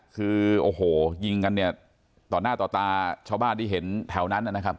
คือโอ้โหยิงกันเนี่ยต่อหน้าต่อตาชาวบ้านที่เห็นแถวนั้นนะครับ